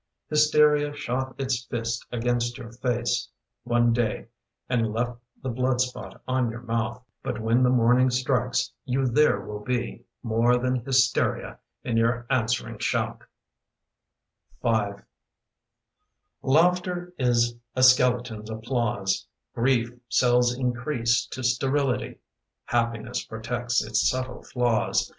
Hysteria shot its fist against your face One day, and left the blood spot of your mouth, But when the morning strikes you there will be More than hysteria in your answering shout L AUGHTER is a skeleton's applause Grief sells increase to sterility: Happiness protects its subtle flaws.